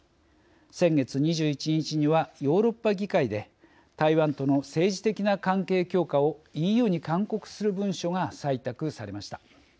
先月２１日にはヨーロッパ議会で台湾との政治的な関係強化をＥＵに勧告する文書が採択されました。